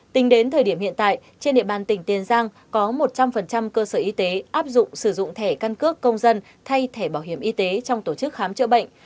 tính đến thời điểm hiện tại trên địa bàn tỉnh tiền giang có một trăm linh cơ sở y tế áp dụng sử dụng thẻ căn cước công dân thay thẻ bảo hiểm y tế trong tổ chức khám chữa bệnh